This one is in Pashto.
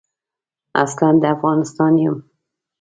اصلاً د افغانستان یم.